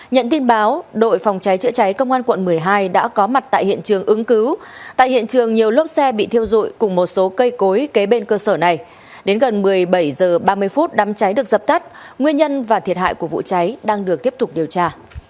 nhận tin báo đội phòng cháy chữa cháy công an quận một mươi hai đã có mặt tại hiện trường ứng cứu tại hiện trường nhiều lốp xe bị thiêu dụi cùng một số cây cối kế bên cơ sở này đến gần một mươi bảy h ba mươi phút đám cháy được dập tắt nguyên nhân và thiệt hại của vụ cháy đang được tiếp tục điều tra